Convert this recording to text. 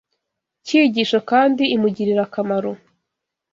cyigisho kandi imugirira akamaro